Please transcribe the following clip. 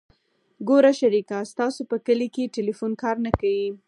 ګوره شريکه ستاسو په کلي کښې ټېلفون کار نه کيي.